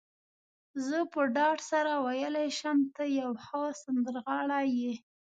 زه په ډاډ سره ویلای شم، ته یو ښه سندرغاړی يې.